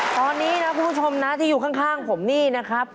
ตอนนี้นะคุณผู้ชมนะที่อยู่ข้างผมนี่นะครับ